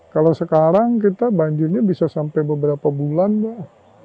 kalau sekarang kita banjirnya bisa sampai beberapa bulan pak